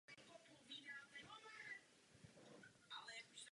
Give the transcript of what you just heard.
Hovořil jste o výměně osvědčených postupů.